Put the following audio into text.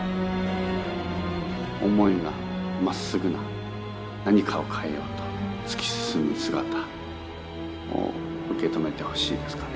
思いがまっすぐな何かを変えようと突き進む姿を受け止めてほしいですかね。